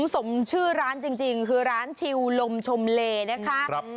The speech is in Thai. สมชื่อร้านจริงคือร้านชิวลมชมเลนะคะ